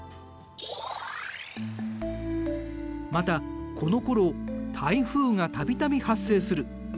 またこのころ台風が度々発生する。